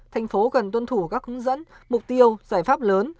thành phố cần tuân thủ các hướng dẫn mục tiêu giải pháp lớn